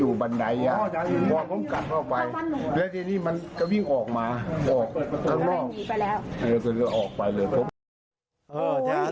ออกไปเลยครับ